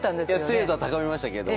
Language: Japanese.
精度は高めましたけど。